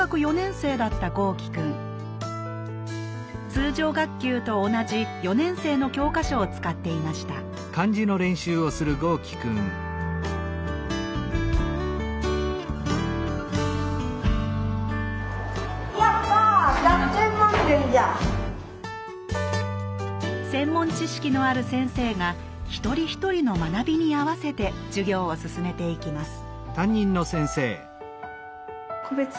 通常学級と同じ４年生の教科書を使っていました専門知識のある先生が一人一人の学びに合わせて授業を進めていきます